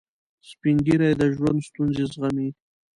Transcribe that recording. سپین ږیری د ژوند ستونزې زغمي